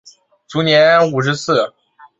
卒年五十四。